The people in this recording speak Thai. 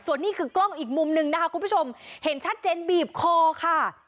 ส่วนนี้คือกล้องอีกมุมหนึ่งนะคะคุณผู้ชมเห็นชัดเจนบีบคอค่ะ